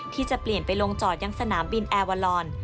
ที่จะเปลี่ยนไปลงจอดยังสนามบินแอร์วาลอน